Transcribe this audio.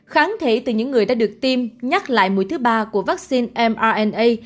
kháng thể từ những người đã được tiêm nhắc lại mũi thứ ba của vaccine mna